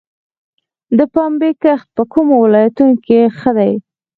د پنبې کښت په کومو ولایتونو کې ښه دی؟